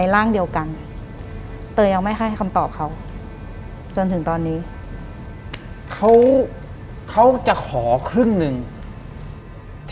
หลังจากนั้นเราไม่ได้คุยกันนะคะเดินเข้าบ้านอืม